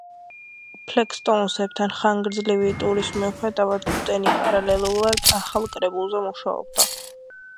ფლეკსტოუნსებთან ხანგრძლივი ტურის მიუხედავად, ვუტენი პარალელურად ახალ კრებულზე მუშაობდა.